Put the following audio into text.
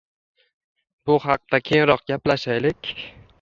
Bu haqda keyinroq gaplashaylik